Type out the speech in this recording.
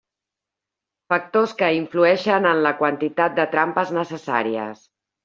Factors que influïxen en la quantitat de trampes necessàries.